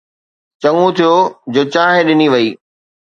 چڱو ٿيو جو چانهه ڏني وئي.